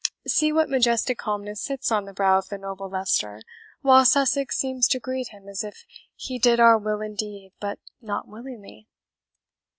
See what majestic calmness sits on the brow of the noble Leicester, while Sussex seems to greet him as if he did our will indeed, but not willingly."